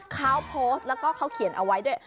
เขาโพสต์แล้วก็เขาเขียนเอาไว้ด้วย